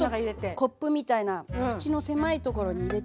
コップみたいな口の狭いところに入れて。